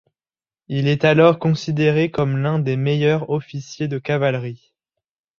Il est alors considéré comme l'un des meilleurs officier de cavalerie.